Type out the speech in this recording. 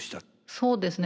そうですね